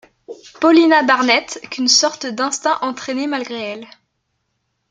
Paulina Barnett, qu’une sorte d’instinct entraînait malgré elle.